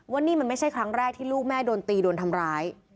ว่านี่มันไม่ใช่ครั้งแรกที่ลูกแม่โดนตีโดนทำร้าย